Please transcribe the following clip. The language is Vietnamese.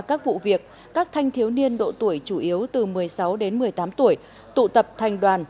các vụ việc các thanh thiếu niên độ tuổi chủ yếu từ một mươi sáu đến một mươi tám tuổi tụ tập thành đoàn